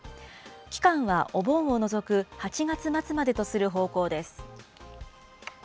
期間はお盆を除く８月末までとする方向です。